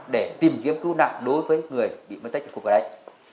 để tìm kiếm cứu nạn đối với người bị mất tích ở khu vực đấy